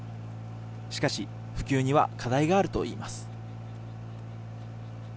しかし、普及には課題があるといいます。